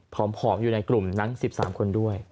อยู่ในกลุ่มนั้น๑๓คนด้วย